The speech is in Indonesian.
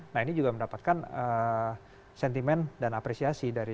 nah ini juga mendapatkan sentimen dan apresiasi dari